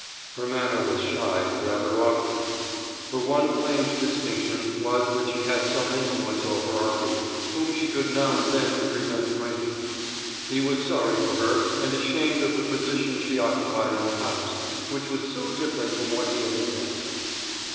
Her manner was shy, and rather awkward. Her one claim to distinction was that she had some influence over Arbique, whom she could now and then prevent drinking. He was sorry for her, and ashamed of the position she occupied in the house, which was so different from what he had intended.